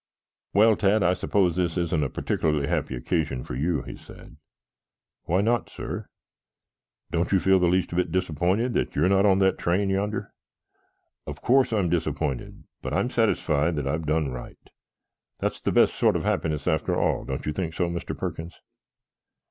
"Well, Tad, I suppose this isn't a particularly happy occasion for you?" he said. "Why not sir?" "Don't you feel the least bit disappointed that you are not on that train yonder?" "Of course I am disappointed, but I am satisfied that I have done right. That's the best sort of happiness after all. Don't you think so, Mr. Perkins?"